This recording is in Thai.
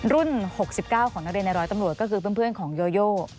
๖๙ของนักเรียนในร้อยตำรวจก็คือเพื่อนของโยโย